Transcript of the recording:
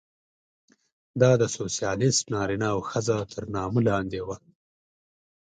دا د سوسیالېست نارینه او ښځه تر نامه لاندې وه.